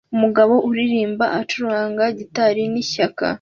Umugabo uririmba acuranga gitari nishyaka